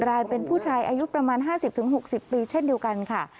รายเป็นผู้ชายอายุประมาณ๕๐๖๐ปีเช่นเดียวกันค่ะ